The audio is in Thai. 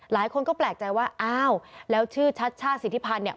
หลายคนก็แปลกใจว่าอ้าวแล้วชื่อชัชชาติสิทธิพันธ์เนี่ย